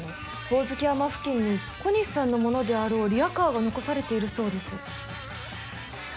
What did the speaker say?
ホオズキ山付近に小西さんのものであろうリアカーが残されているそうです。